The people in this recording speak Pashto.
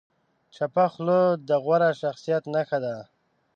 چپه خوله، د غوره شخصیت نښه ده.